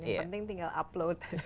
yang penting tinggal upload